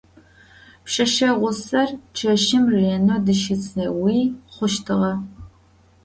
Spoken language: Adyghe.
Пшъэшъэ гъусэр чэщым ренэ дыщысэуи хъущтыгъэ.